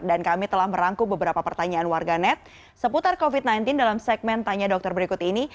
dan kami telah merangkuk beberapa pertanyaan warga net seputar covid sembilan belas dalam segmen tanya dokter berikut ini